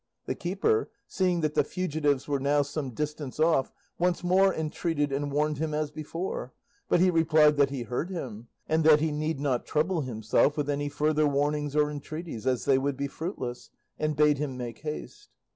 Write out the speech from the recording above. The keeper, seeing that the fugitives were now some distance off, once more entreated and warned him as before; but he replied that he heard him, and that he need not trouble himself with any further warnings or entreaties, as they would be fruitless, and bade him make haste.